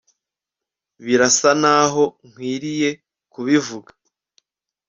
birasa naho nkwiriye kubivuga